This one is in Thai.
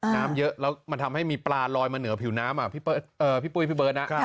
น้ำเยอะแล้วมันทำให้มีปลาลอยมาเหนือผิวน้ำพี่ปุ้ยพี่เบิร์ตนะ